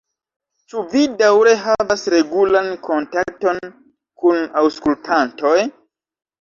Ĉu vi daŭre havas regulan kontakton kun aŭskultantoj?